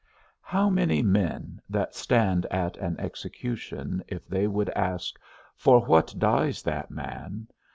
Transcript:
How many men that stand at an execution, if they would ask, For what dies that man?